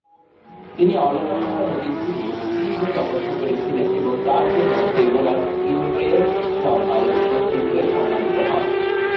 তিনি অলকানন্দা নদীর তীরে তীব্র তপস্যা করেছিলেন এবং তার জন্য দেবরাজ ইন্দ্রের সভায় উপস্থিত হয়ে সম্মানিত হন।